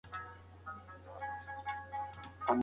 طبيعي چاپيريال زموږ په ژوند اغېز کوي.